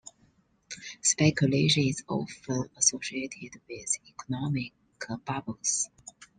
Speculation is often associated with economic bubbles.